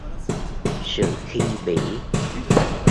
sự khinh bỉ